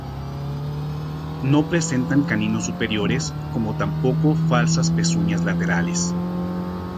No presentan caninos superiores, como tampoco falsas pezuñas laterales.